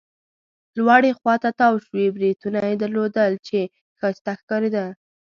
لوړې خوا ته تاو شوي بریتونه يې درلودل، چې ښایسته ښکارېده.